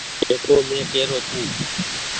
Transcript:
جڪو مين ڪي رو ڇون۔